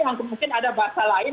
yang mungkin ada bahasa lain